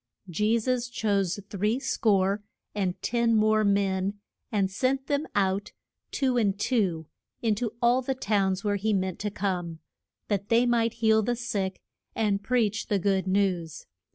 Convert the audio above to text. Je sus chose three score and ten more men and sent them out, two and two, in to all the towns where he meant to come, that they might heal the sick and preach the good news.